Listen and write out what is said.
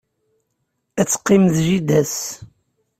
Ad teqqim d jida-s.